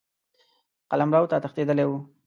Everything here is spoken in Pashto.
قلمرو ته تښتېدلی وو.